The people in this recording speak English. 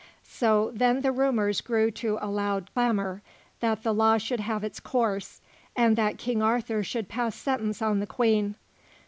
So then the murmurs grew to a loud clamour that the law should have its course, and that King Arthur should pass sentence on the Queen.